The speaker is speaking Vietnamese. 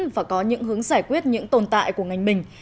và có những hướng giải quyết những tồn tại của ngành mình